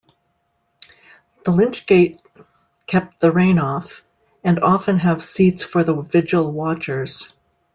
The lychgate kept the rain off, and often have seats for the vigil watchers.